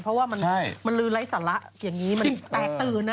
เพราะว่ามันฤ้าไร้สาระมันแต้ตื่น